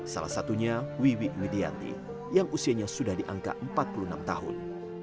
salah satunya wiwi widianti yang usianya sudah di angka empat puluh enam tahun